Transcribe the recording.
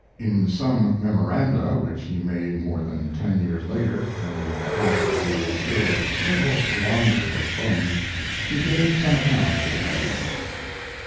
In some memoranda which he made more than ten years later, when the catastrophe was still a little longer postponed, he gave some account of the matter.